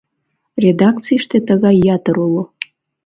Редакцийыште тыгай ятыр уло.